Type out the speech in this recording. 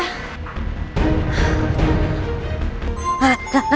nah nah nah